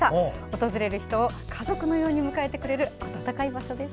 訪れる人を家族のように迎えてくれる温かい場所です。